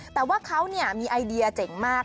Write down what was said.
แต่ว่าเขามีไอเดียเจ๋งมาก